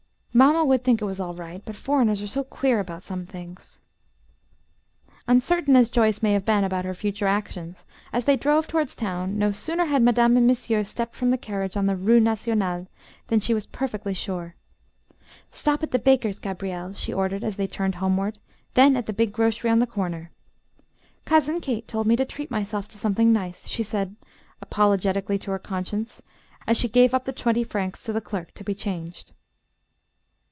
Mamma would think it was all right, but foreigners are so queer about some things." Uncertain as Joyce may have been about her future actions, as they drove towards town, no sooner had madame and monsieur stepped from the carriage, on the Rue Nationale, than she was perfectly sure. "Stop at the baker's, Gabriel," she ordered as they turned homeward, then at the big grocery on the corner. "Cousin Kate told me to treat myself to something nice," she said apologetically to her conscience, as she gave up the twenty francs to the clerk to be changed.